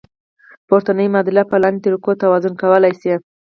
پورتنۍ معادله په لاندې طریقو توازن کولی شئ.